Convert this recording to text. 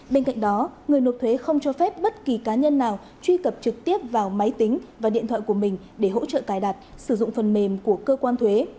bên cạnh đó người nộp thuế không cho phép bất kỳ cá nhân nào truy cập trực tiếp vào máy tính và điện thoại của mình để hỗ trợ cài đặt sử dụng phần mềm của cơ quan thuế